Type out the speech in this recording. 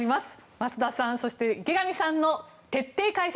増田さん、池上さんの徹底解説